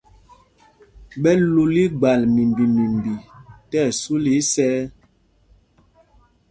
Ɓɛ lǔl igbal mimbi mimbi tí ɛsu lɛ́ isɛɛ.